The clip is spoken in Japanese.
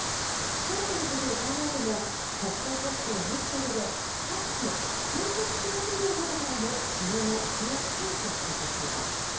選挙のことを考えても国交ポストを持つことで各地の建設系企業などからの支援を受けやすいと指摘しています。